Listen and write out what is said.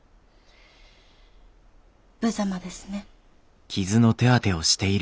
無様ですね。